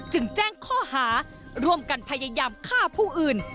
แจ้งข้อหาร่วมกันพยายามฆ่าผู้อื่น